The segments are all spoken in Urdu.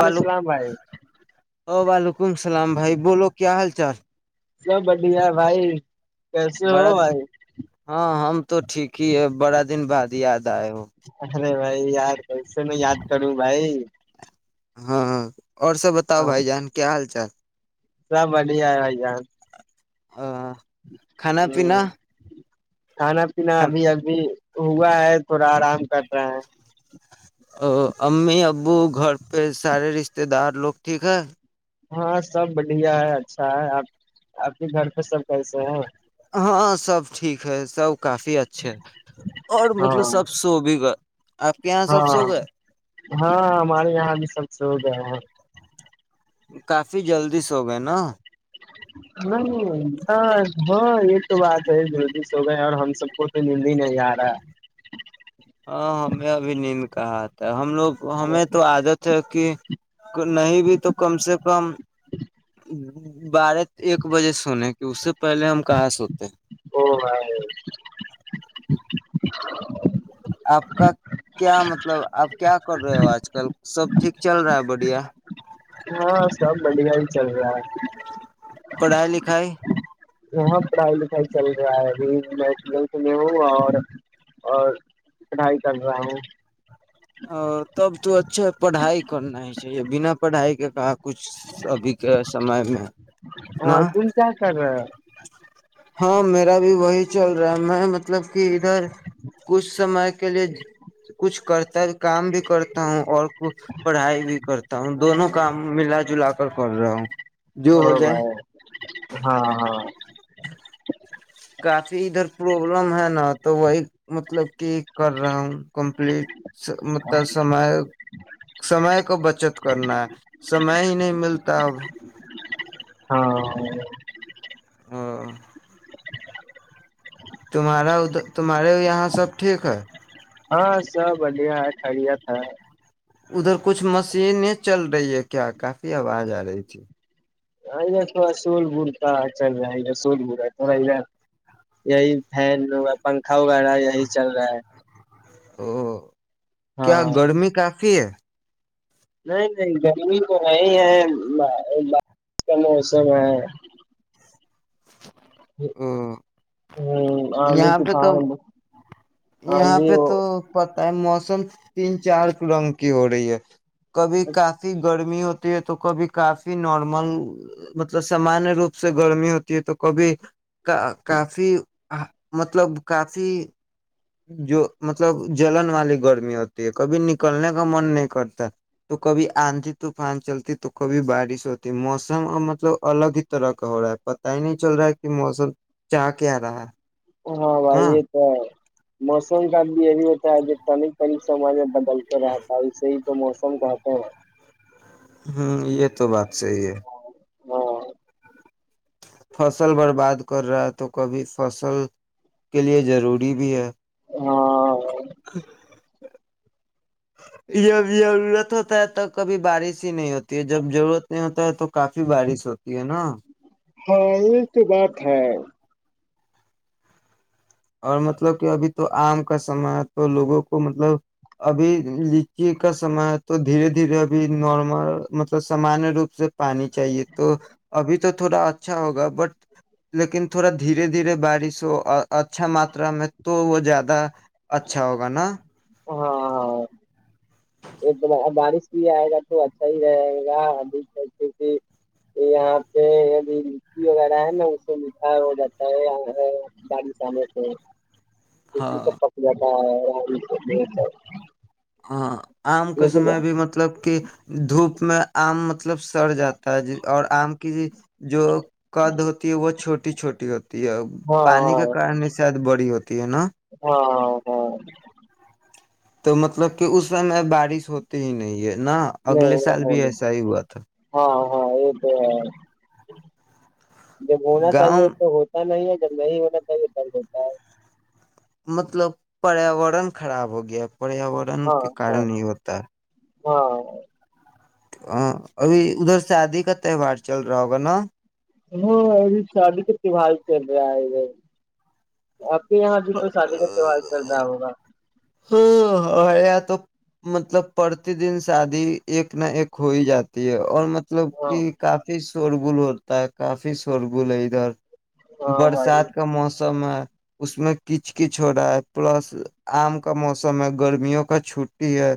وعلیکم السلام بھائی او وعلیکم اللام بھائی بولو کیا حال چار سب بڑھیا بھائی کیسے بڑ ہو بھائی ہاں ہم تو ٹھیک ہی ہے بڑ دن بعد یاد آئے وہ ارے بھائی یار ایسے میں یاد کروں بھائی ہاں ہاں اور سب بتاؤ بھائی جان کیا حال چال؟ سب بڑھیا ہے یار۔ اہ کھانا ہ پینا؟ کھانا پینا ابھی ابھی۔ ہوا ہے تھوڑا آرام کر رہا ہیں۔ او امی ابو گھر پہ سارے رشتے دار لوگ ٹھیک ہے؟ ہاں سب بڑھیا ہے اچھا ہے آپ کے گھر پہ سب کیسے ہیں؟ ہاں سب ٹھیک۔ سب کافی اچھے ہے اور مطلب ہاں سب سو بھی گئے۔ آپ کے یہاں سب سو ہاں گئے؟ ہاں ہمارے یہاں بھی سب سو گئے ہیں کافی جلدی سےو گئے نا؟ نہیں ہاں یہ تو بات ہے جلدی سو گئے اور ہم سب کو تو نیند ہی نہیں آ رہا ہے۔ ہاں ہمیں [unintelligible] ہم لوگ ہے ہمیں تو عادت ہے۔ [unintelligible] نہیں بھی تو کم سے کم بارہ ایک بجے سنے کی اس سے پہلے ہم کہاں سوتے۔ او بھائی۔ آپ کا کیا مطلب آپ۔ کیا کر رہے ہو آج کل، سب ٹھیک چل رہا ہے بڑھیا؟ ہاں سب بڑھیا ہی چل رہا ہے۔ پڑھائی لکھائی؟ یہاں پڑھائی لکھائی چل رہا ہے ابھی میں بارہویں میں ہوں اور اور پڑھائی کر رہا ہوں۔ تب تو اچھا پڑھائی کرنا ہی چاہیے بنا پڑھائی کے کہاں کچھ ابھی کے سمے میں۔ ہاں تم کیا کر رہے ہاں میرا بھی وہی چل رہا ہیں میں مطلب کہ ادھر کچھ سمے کے لیے کچھ کرتا کام بھی کرتا ہوں اور پڑھائی بھی کرتا ہوں۔ دونوں کام ملا جلا کر کر رہا ہوں۔ جو ہو جائے [inaudible] ہاں ہاں کافی ادھر پربلم ہے نا تو وہی مطلب کہ کر رہا ہوں کمپلیٹ۔ [unintelligible] بچت کرنا ہے سمے ہی نہیں ملتا اب۔ ہاں ہاں تمہارا ادھر تمہارے یہاں سب ٹھیک ہے؟ ہاں سب بڑھیا ہے خرییات ہے ادھر کچھ مشین چل رہی ہے کیا؟ کافی آواز آ رہی تھی۔ ہاں ادھر تھوڑا سول بڑتا چل رہا ہےھر سول بڑ رہا ہے تھڑا ادھر یہی فین پنکھا وغیرہ یہی چل رہا ہے ا کیا ہاں گرمی کافی ہے نہیں نہیں گرمی تو نہیں ہے بارش کا موسم ہے او ہ ہوں آ ل یہاں پہ تھا تو یہاں پہ تو پت ہے موس موسم تین چار رنگ کی ہو رہی ہے کبھی کافی گڑ ہوتی ہے تو کبھی کافی نارمل مطلب سامانیہ روپ سے گرمی ہوتی ہے تو کبھی کافی مطلب کافی جو مطلب جلن والی گرمی ہوتی ہے کبھی نکلنے کا من نہیں کرتا تو کبھی آندھی طوفان چلتی تو کبھی بارش ہوتی موسم ا مطلب الگ ہی طرح کا ہو رہا ہے پت ہی نہیں چل رہا ہے کہ موسم چا کیا رہا ہاں بھائی نا ہ یہ تو ہے موسم خ بھی ای ہوتا ہے آج کری پریاج ب چل کر رہتا اسسے ہی تو موسم کہتے ہیں ہوں یہ تو بات صحی ہے ہاں فصل برباد کر رہا ہے تو کبھی فصل کے لیے ضروری بھی ہے ہاں خ یہب ضرورت ہوتا ہے تو کبھی بارش نہیں ہوتی ہے جب ضرورت نہیں ہوتا ہے تو کافی بارش ستی ہے نا ہاں یہ تو بات ہے اور مطلب کہ ابھی تو آم کا سمے ہے تو لوگوں کو مطلب ابھی لچی کا سمے ہے تو دھیرے دھیرے ابھی نارمل مطلب سامانیہ روپ سے پانی چاہیے تو ابھی تو تھوڑا اچھا ہوگا بٹ لیکن تھوڑا دھیرے دھیرے بارش ہو اچھا ماترا میں تو وہ زیادہ اچھا ہوگا نا ہاں ایک بارش بھی آئے گا تو اچھا ہی رہے گا ابھی کیکہ یہاں پہ اب لچی وغیرہ ہے نا اس سے میٹھا ہو جاتا ہے بارش آنے سے د ہاں پ ہاں ہاں آم کا سمے بھی مطلب کہ دھوپ میں آم م مطلب سڑ جاتا اور آم کی جو قد ہوتی ہے وہ چھوٹی چھوٹی ہوتی ہے ہاں پانی کے کارن شاید بڑی ہوتی ہے نا ہاں ہ تو مطلب کہ اس سمے بارش ہوتی ہی نہیں ہے نہ اگلے نہیں سال بھی نہیں ایسا ہی ہوا تھا ہاں ہاں یہ تو جب ہونا چاہیے گاؤں تو ہوتا نہیں ہے جب نہیں ہوتا تو یہ درق ہوتا ہے مطلب پریاورن خراب ہو گیا اب پریاورن ہاں کے ہاں کارن نہیں ہوتا ہے ہاں ہاں ابھی ادھر شادی کا تہوار چل رہا ہوگا نا ہاں ابھی بہت یہاں بھی تو شادی کا تہوار چل رہا ہوگا ہیا تو مطلب پرتی دن شادی ایک نہ ایک ہو ہی جاتی ہے اور ملب مطلب ہاں کہ کافی شورغل ہوتا ہے کافی شورغل ہے ادھر ہاں بھائی برسات کا موسم سم ہے اس میں کچ کچ ہو رہا ہے پلس آم کا موسم ہے گرمیوں کا چھٹی ہے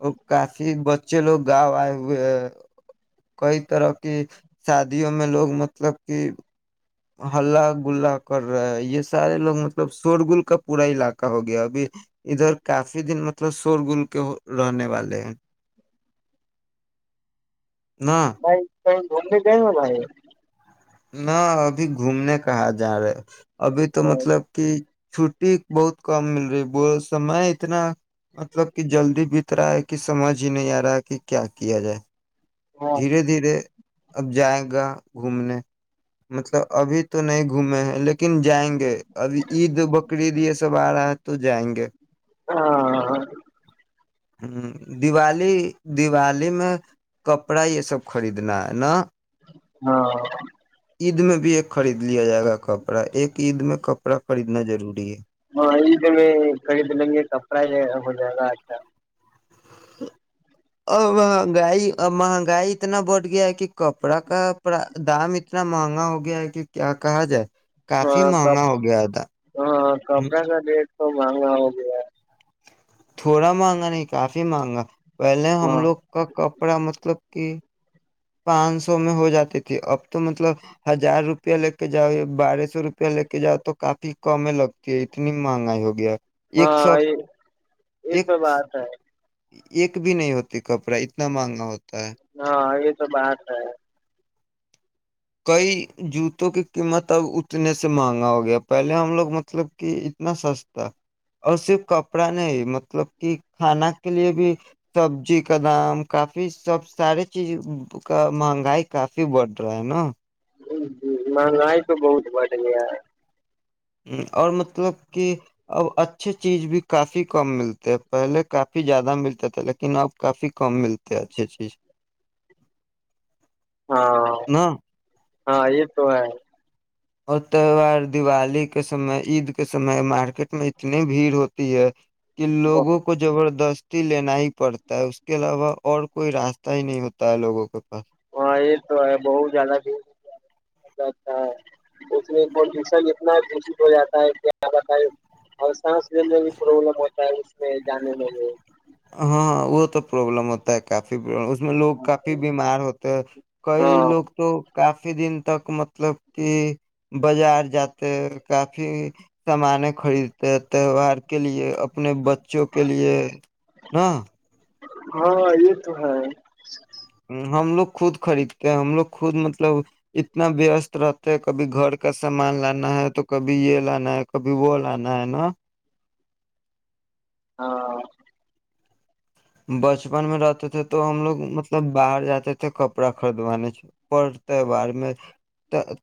اور کافی بچے لوگ گاؤ آئے ہوئے ہے کئی طرح کی شادیوں میں لوگ مطلب کہ [unintelligible] ہلہ گلا کر رہا ہے یہ سارے لوگ مطلب شورگل کا پورا علاقہ ہو گیا ابھی ادھر کافی دن مطلب شورگل کے رہنے والے ہیں نہ ممبے گئی والا ہے نہ ابھی گھومنے کہاں جا رہے ابھی تو مطلب کہ چھٹی بہت کم مل رہی سمے اتنا مطلب کہ جلدی بت رہا ہے کہ سمجھ ہی نہیں آ رہا ہے کہ کیا کیا جائے ہاں دھیرے دھیرے اب جائے گا گھومنے مطلب ابھی تو نہیں گھومے ہیں لیکن کن جائیں گے ابھی عید بقرعید یہ سب آ رہا ہے تو جائیں گے ہ ہ دیوالی دیوالی میں کپڑا یہ سب خریدنا ہے نا ہاں عید میں بھی ایک خرید لیا جائے گا کپڑا ایک عید میں کپڑا خریدنا ضروری ہے ہاں کڑد لنے کپڑا ہو جا آھا اور مہنگائی مہنگائی اتنا بڑھ گیا ہے کہ کپڑا کا دام اتنا مہنگا ہو گیا ہے کہ کیا کہا جائے [unintelligible] ہاں ک مہنگا ہو گیا تھا ہاں کپڑا کا [unintelligible] ہ ہ آاد [unintelligible] تھوڑا مہنگا نہیں کافی مہنگا پہلے ہے ہم ہاں لوگ کا کپڑا مطلب کی پانچ سو میں ہو جاتی تھی اب تو مطلب ہزار روپیہ لے کے جاؤ یا بارہ سو روپیہ لے کے جاؤ تو کافی کم ہی لگتی ہے اتنی مہنگائی ہو گیا ایک ہاں سو یہ یہ ایک تو بات ہے ایک بھی نہیں ہوتی کپڑا اتنا مہنگا ہو ہاں تو بات ہے کئی جوتوں کی قیمت اب اتنے سے مہنگا ہو گیا پہلے ہم لوگ مطلب کہ اتنا سستا اور صرف کپڑا نہیں مطلب کہ کھانا کے لیے بھی سبزی کا دام کافی سب سارے چیز کا مہنگائی کافی بڑھ رہا ہینا جی جی مہنگائی تو بہت بڑ گیا اور مطلب کہ اب اچھی چیز بھی کافی کم ملتے ہے پہلے کافی زیادہ ملتے تھے لیکن اب کافی کم ملتے ہیں اچھی چیز ہاں نا ہاں یہ تو ہے اور تہوار دیوالی کے سمے عید کے سمے مارکیٹ میں اتنی بھیڑ ہوتی ہے کہ لوگوں کو زبردست کشتی لینا ہی پڑتا ہے اس کے علاوہ اور کوئی راستہ ہی نہیں ہوتا ہے لوگوں کے پاس [unintelligible] [unintelligible] [unintelligible] ہاں وہ تو پروابلم ہوتا ہے کافی بڈا اس لوگ کافی بیمار ہوتے ہیں کئی ہاں لوگ تو کافی کافی دن تک مطلب کہ بازار جاتے ہیں کافی سامان خریدتے ہیں تہوار کے لیے اپنے بچوں کے لیے نا ہاں یہ تو ہے ہم لوگ خود خریدتے ہیں ہم لوگ خود مطلب اتنا وست رہتے ہیں کبھی گھر کا سامان لانا ہے تو کبھی یہ لانا ہے کبھی وہ لانا ہے نا ہاں بچپن میں رہتے تھے تو ہم لوگ مطلب باہر جاتے تھے کپڑا خریدوانے سے پر تہوار میں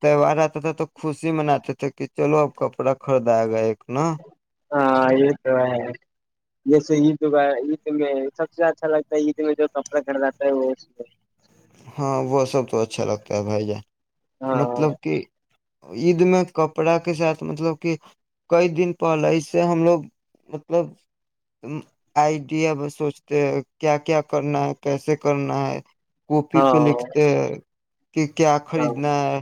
تہوار آتا تھا تو خوشی مناتے تھے کہ چلو اب کپڑا خریدائے گا ایک ن ہاں یہ تو ہے جیسے عید عید میں سب سے اچھا لگتا ہے عید میں جو کپڑا گھر جاتا ہے وہ اس ہاں وہ سب تو اچھا لگتا ہے بھائی جان ہاں مطلب کہ عید میں کپڑا کے ساتھ مطلب کہ کئی دن پہلے اس سے ہم لوگ مطلب آئیڈیا سوچتے ہیں کیا کیا کرنا ہے کیسے کرنا ہے کاپی ہاں پہ لکھتے ہیں کہ کیا ہاں خریدنا ہے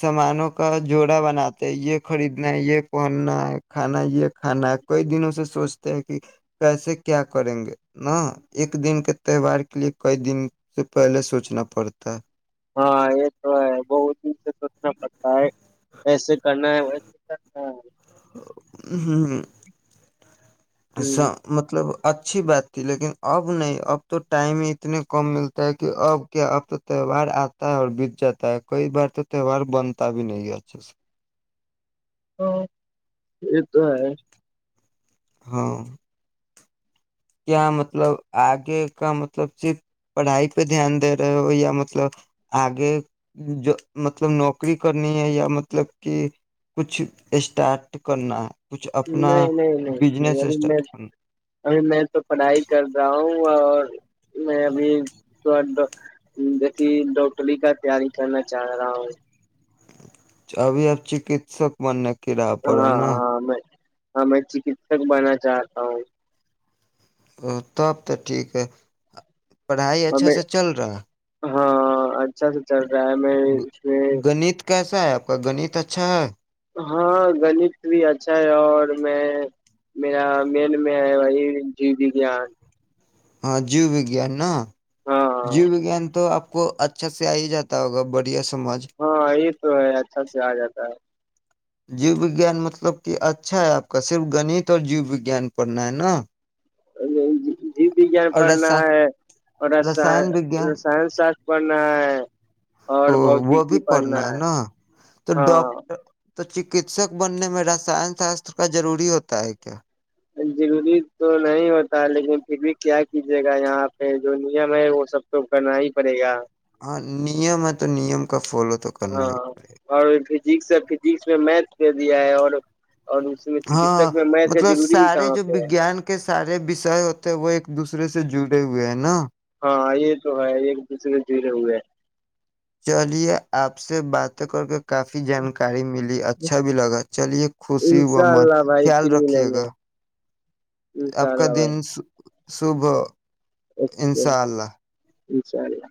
سامانوں کا جوڑا بناتے ہیں یہ خریدنا ہے یہ پہننا ہے کھانا یہ کھانا ہے کئی دنوں سے سوچتے ہیں کہ کیسے کیا کریں گے ن ایک دن کے تہوار کے لیے کئی دن سے پہلے سوچنا پڑتا ہے ہاں یہ تو ہے جیسے کرنا ہے ویسے کرنا ہے ایسی ہے مطلب اچھی بات تھی لیکن اب نہیں اب تو ٹائم ہی اتنے کم ملتا ہے کہ اب کیا اب تو تہوار آتا ہے اور بیت جاتا ہے کئی بار تو تہوار بنتا بھی نہیں ہے اچھے سے حان یہ تہ ہیں حان کیا مطلب آگے کا مطلب صرف پڑھائی پہ دھیان دے رہے ہو یا مطلب آگے جو مطلب نوکری کرنی ہے یا مطلب کہ کچھ اسٹارٹ کرنا ہے کچھ اپنا نہیں نہیں نہیں نہیں بجنس ابھی میں اسٹارٹ کرنا ابھی میں تو پڑھائی کر رہا ہوں اور میں ابھی تھوڑ جیسی ڈوٹری کا تیاری کرنا چاہ رہا ہوں ابھی آپ چکتسک م کررا پڑے ہاں نا ہاں میں ہاں میں چکسک بنا چاہتا ہوں ا تب تو ٹھیک ہے پڑھائی اور اچھا میں سے چل رہا ہے ہاں اچھا سے چل رہا ہے میں اس میں گنت کیسا آپ کا گنیت اچھا ہے ہاں گنیت بھی اچھا ہے اور میں میرا مین میں ہے وہی جی وی گان ہاں جی وگیان ہاں جی وگیان تو کو اچھا سے آ ہی جاتا ہوگا بڑھیا سے ہاں یہ تو ہے اچھا سے آ جاتا ہے جی وگیان مطلب کہ اچھا ہے آپ کا صرف گنیت اور جی وگیان پڑھنا ہے نا [inaudible] جی وگیان اور پڑھنا رسا ہے اور رسائن وگیان سائن پڑھنا ہے او وہ بھی پڑھنا ہے نا تو ہاں ڈاکٹر تو شک شک بننے میں رسائن شاستر کا ضروری ہوتا ہے کیا ضروری تو نہیں ہوتا لیکن پھر بھی کیا کیجیے گا یہاں پہ جو نیم ہے وہ سب تو کرنا ہی پڑے گا ہاں نیم ہے تو نیم کا فالو تو کرنا ہی پڑے ٹھیک سے فجکس میں میتھ دے دیا ہے اور اور اس میں ہاں چکسک میں میتھ کا مطلب ضروری ہی سارے کہاں جو پہ ہے وگیان کے سارے وشے ہوتے وہ ایک دوسرے سے جڑے ہوئے ہینا ہاں یہ تو ہے ایک دوسرے کے جھیرے ہوئے ہیں چلیے آپ آپ سے باتیں کر کے کافی جانکاری ملی ہیں۔ اچھا بھی لگا چلیے خوشی ہو انشاء من اللہ بھائی خیال پھر رکھیے ملیں گے گا آپ انشاء کا اللہ دن بھائی سکھ صبح اوکے اشاء اللہ انشاء اللہ